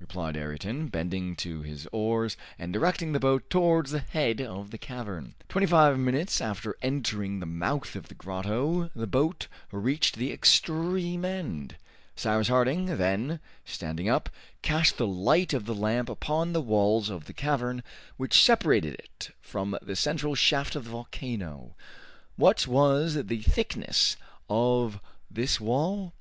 replied Ayrton, bending to his oars and directing the boat towards the head of the cavern. Twenty five minutes after entering the mouth of the grotto the boat reached the extreme end. Cyrus Harding then, standing up, cast the light of the lamp upon the walls of the cavern which separated it from the central shaft of the volcano. What was the thickness of this wall?